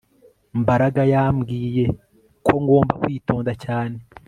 Mbaraga yambwiye ko ngomba kwitonda cyane